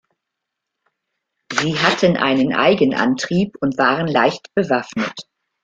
Sie hatten einen Eigenantrieb und waren leicht bewaffnet.